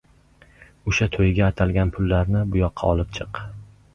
— O‘sha to‘yga atalgan pullarni bu yoqqa olib chiq.